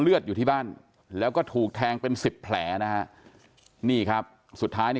อยู่ที่บ้านแล้วก็ถูกแทงเป็นสิบแผลนะฮะนี่ครับสุดท้ายเนี่ย